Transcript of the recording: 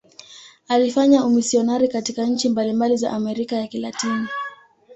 Alifanya umisionari katika nchi mbalimbali za Amerika ya Kilatini.